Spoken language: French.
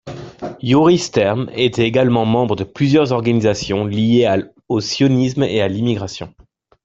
Yuri Stern était également membre de plusieurs organisations liées au sionisme et à l'immigration.